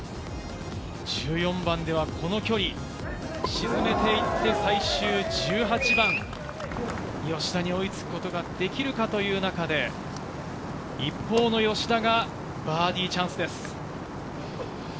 １４番ではこの距離を沈めていって、最終１８番、吉田に追いつくことができるかという中で、一方の吉田がバーディーチャンスです。